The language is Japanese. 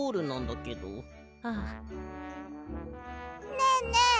ねえねえ